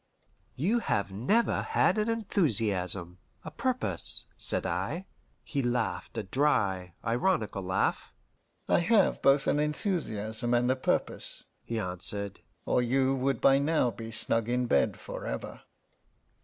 "You have never had an enthusiasm, a purpose?" said I. He laughed, a dry, ironical laugh. "I have both an enthusiasm and a purpose," he answered, "or you would by now be snug in bed forever."